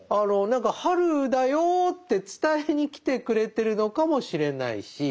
何か「春だよ」って伝えに来てくれてるのかもしれないし。